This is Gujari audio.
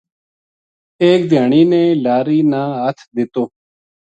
ایک دھیانی نے لاری نا ہتھ دِتو